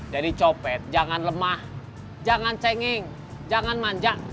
jadi copet jangan lemah jangan cengeng jangan manja